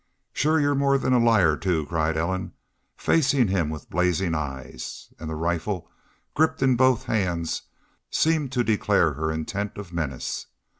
"Shore y'u're more than a liar, too," cried Ellen, facing him with blazing eyes. And the rifle, gripped in both hands, seemed to declare her intent of menace.